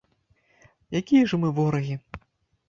Якія ж мы ворагі?